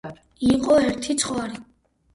იყო ერთი ცხვარი